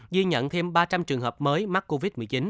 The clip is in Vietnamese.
ghi nhận thêm ba trăm linh trường hợp mới mắc covid một mươi chín